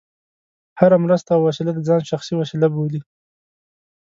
هره مرسته او وسیله د ځان شخصي وسیله بولي.